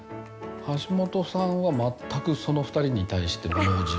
橋本さんはその２人に対して。